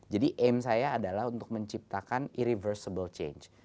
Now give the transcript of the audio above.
jadi aim saya adalah untuk menciptakan irreversible change